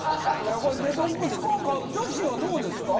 これデトックス効果女子はどうですか？